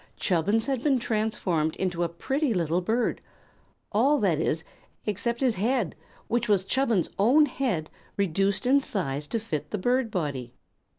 Chubbins had been transformed into a pretty little bird all, that is, except his head, which was Chubbins' own head reduced in size to fit the bird body.